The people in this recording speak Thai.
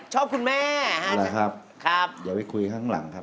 ชอบคุณแม่นะครับครับอย่าไปคุยข้างหลังครับ